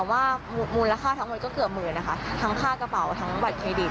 ว่ามูลค่าทั้งหมดก็เกือบหมื่นนะคะทั้งค่ากระเป๋าทั้งบัตรเครดิต